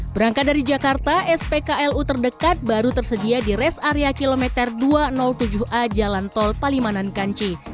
berangkat dari jakarta spklu terdekat baru tersedia di res area kilometer dua ratus tujuh a jalan tol palimanan kanci